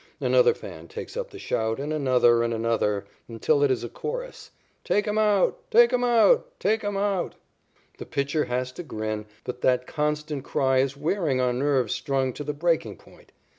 Another fan takes up the shout, and another, and another, until it is a chorus. "Take him out! Take him out! Take him out!" The pitcher has to grin, but that constant cry is wearing on nerves strung to the breaking point.